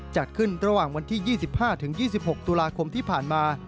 จัดขึ้นระหว่างวันที่๒๕๒๖ตุลาคมที่ผ่านมา